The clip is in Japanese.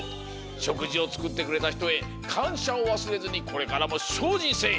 しょくじをつくってくれたひとへかんしゃをわすれずにこれからもしょうじんせい！